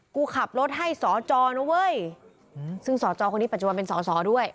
กูขับรถให้สจน้องเว้ยอืมซึ่งสจคนนี่ปัจจุบันเป็นสส